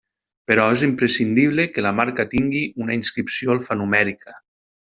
Però és imprescindible que la marca tingui una inscripció alfanumèrica.